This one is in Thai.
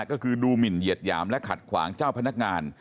ก็คือดูหมินเหยียดหยามและขัดขวางเจ้าพนักงาน